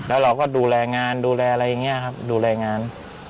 แล้วเราก็ดูแลงานดูแลอะไรอย่างนี้ครับดูแลงาน